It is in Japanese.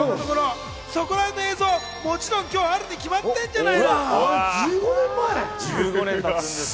そこらへんの映像、もちろん今日あるに決まってるじゃない！